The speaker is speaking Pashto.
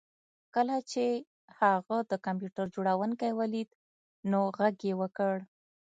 کله چې هغه د کمپیوټر جوړونکی ولید نو غږ یې وکړ